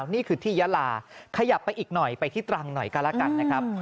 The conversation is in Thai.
นี่คือที่ยาลาขยับไปอีกหน่อยไปที่ตรังหน่อยก็แล้วกันนะครับ